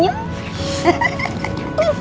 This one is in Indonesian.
ya aku suka